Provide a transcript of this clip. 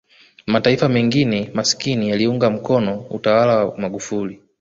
mataifa mengine masikini yaliungana mkono utawa wa magufri